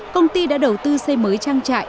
công ty đã đầu tư xây mới trang trại